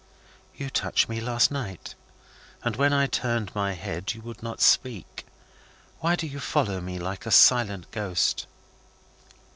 "You touched me last night, and, when I turned my head, you would not speak. Why do you follow me like a silent ghost?"